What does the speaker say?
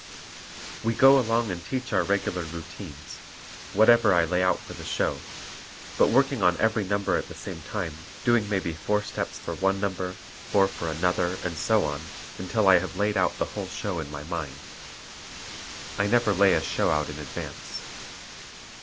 We go along and teach our regular routines, whatever I lay out for the show, but working on every number at the same time, doing maybe four steps for one number, four for another, and so on, until I have laid out the whole show in my mind. I never lay a show out in advance.